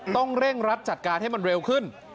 ต้องเร่งรัดจัดการให้มันเร็วขึ้น